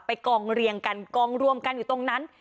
กองเรียงกันกองรวมกันอยู่ตรงนั้น